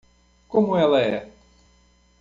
Como ela é?